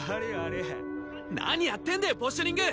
何やってんだよポジショニング！